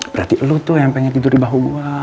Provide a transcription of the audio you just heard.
berarti lo tuh yang pengen tidur di bahu gue